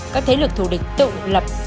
các thế lực thù địch tự lập